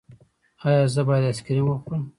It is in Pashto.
ایا زه باید آیسکریم وخورم؟